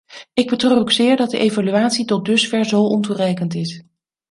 Ik betreur ook zeer dat de evaluatie tot dusver zo ontoereikend is.